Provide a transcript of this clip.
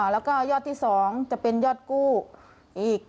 แล้วก็ยอดที่๒จะเป็นยอดกู้อีก